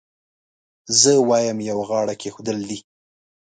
زه وایم یو غاړه کېښودل دي.